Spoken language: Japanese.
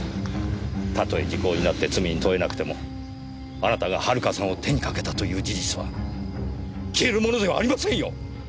たとえ時効になって罪に問えなくてもあなたが遥さんを手にかけたという事実は消えるものではありませんよ！